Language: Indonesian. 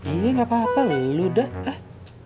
iya gapapa lu udah